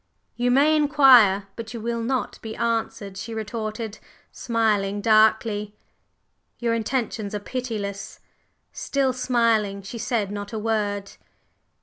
"You may inquire, but you will not be answered!" she retorted, smiling darkly. "Your intentions are pitiless?" Still smiling, she said not a word.